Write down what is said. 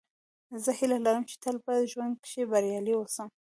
زه هیله لرم، چي تل په ژوند کښي بریالی اوسم.